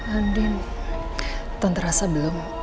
andin tante rasa belum